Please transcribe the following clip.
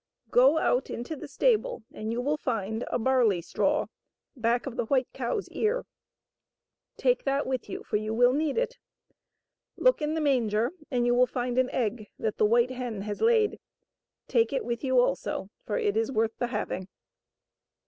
Go out into the stable and you will find a barley straw back of the white cow's ear. Take that with you, for you will need it. Look in the manger and you will find an egg that the white hen has laid ; take it with you also, for it is worth the having.'